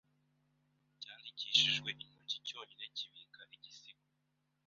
cyandikishijwe intoki cyonyine kibika igisigo